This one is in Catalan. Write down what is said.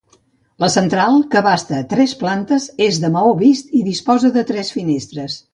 La central que abasta tres plantes, és de maó vist i disposa de tres finestres.